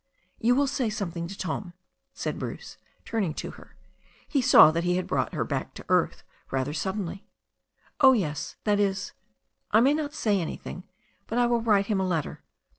"You will say something to Tom," said Bruce, turning to her. He saw that he had brought her back to earth rather suddenly. "Oh, yes — ^that is, I may not say anything, but I will write him a letter.